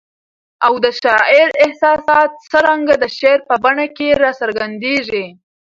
او د شاعر احساسات څرنګه د شعر په بڼه کي را څرګندیږي؟